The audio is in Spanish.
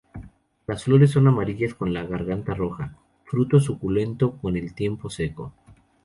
Las flores son amarillas con la garganta roja; fruto suculento con el tiempo seco.